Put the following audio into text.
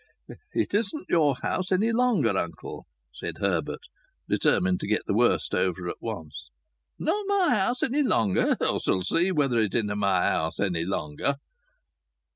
"It isn't your house any longer, uncle," said Herbert, determined to get the worst over at once. "Not my house any longer! Us'll see whether it inna' my house any longer."